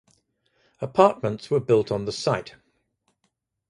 Apartments were built on the site.